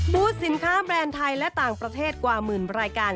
สินค้าแบรนด์ไทยและต่างประเทศกว่าหมื่นรายการ